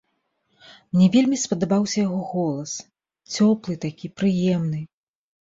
Мне вельмі спадабаўся яго голас, цёплы такі, прыемны.